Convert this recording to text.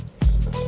ini yang gue lakuin